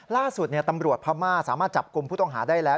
ล่าสุดตำรวจพม่าสามารถจับกลุ่มผู้ต้องหาได้แล้ว